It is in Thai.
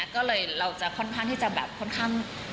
ซึ่งเราค่อนข้างคุ้มที่จะแบบค่อนข้าง